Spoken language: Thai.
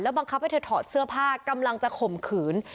บังคับให้เธอถอดเสื้อผ้ากำลังจะข่มขืน